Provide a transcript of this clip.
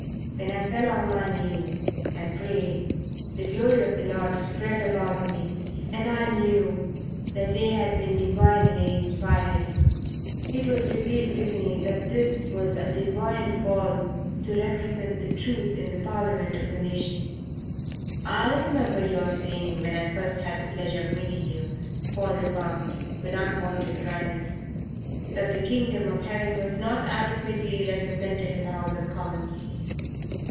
When I fell on my knees and prayed the glory of the Lord spread about me and I knew that they had been divinely inspired. It was revealed to me that this was a Divine Call to represent the Truth in the Parliament of the nation." "I remember your saying, when I first had the pleasure of meeting you," Paul remarked, with unwonted dryness, "that the Kingdom of Heaven was not adequately represented in the House of Commons."